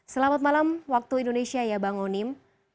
selamat malam waktu indonesia ya bang onim